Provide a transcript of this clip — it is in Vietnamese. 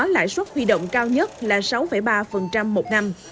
lãi suất huy động cao nhất là sáu ba một năm